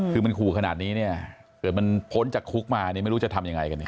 คือมันขู่ขนาดนี้เนี่ยเกิดมันพ้นจากคุกมานี่ไม่รู้จะทำยังไงกันเนี่ย